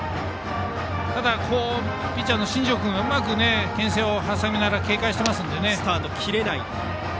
ただピッチャーの新庄君がうまくけん制を挟みながら警戒してますのでね。